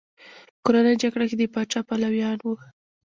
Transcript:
په کورنۍ جګړه کې د پاچا پلویان وو.